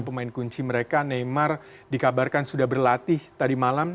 pemain kunci mereka neymar dikabarkan sudah berlatih tadi malam